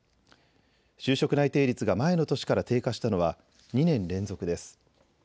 就職内定率が前の年から低下したのは２年連続です。